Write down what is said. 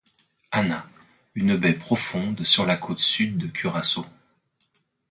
Anna, une baie profonde sur la côte sud de Curaçao.